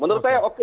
menurut saya oke